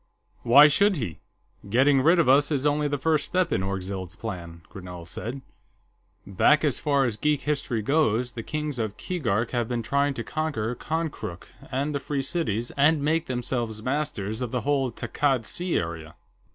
"Why should he? Getting rid of us is only the first step in Orgzild's plan," Grinell said. "Back as far as geek history goes, the Kings of Keegark have been trying to conquer Konkrook and the Free Cities and make themselves masters of the whole Takkad Sea area.